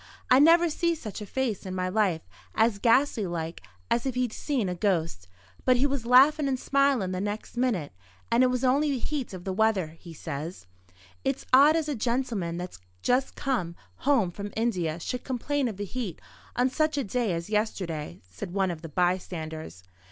I never see such a face in my life, as ghastly like as if he'd seen a ghost. But he was laughin' and smilin' the next minute; and it was only the heat of the weather, he says." "It's odd as a gentleman that's just come home from India should complain of the heat on such a day as yesterday," said one of the bystanders.